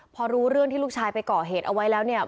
พอรู้เรื่องที่ลูกชายไปก่อเหตุเอาไว้แล้วเนี่ย